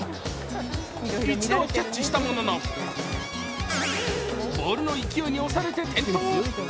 １度はキャッチしたもののボールの勢いに押されて転倒。